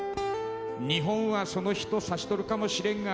「２本はその人さしとるかもしれんが」